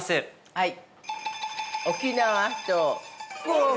◆はい。